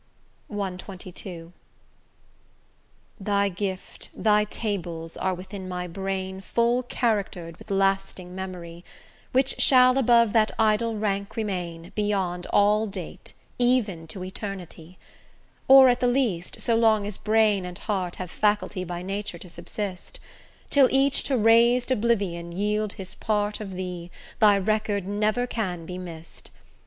CXXII Thy gift, thy tables, are within my brain Full character'd with lasting memory, Which shall above that idle rank remain, Beyond all date; even to eternity: Or, at the least, so long as brain and heart Have faculty by nature to subsist; Till each to raz'd oblivion yield his part Of thee, thy record never can be miss'd.